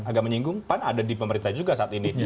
agak menyinggung pan ada di pemerintah juga saat ini